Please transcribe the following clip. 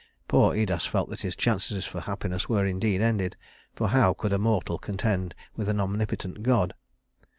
Poor Idas felt that his chances for happiness were indeed ended, for how could a mortal contend with an omnipotent god?